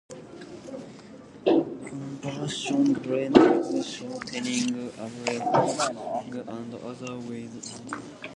Conversion, blending, shortening, abbreviation, and other ways of word formation.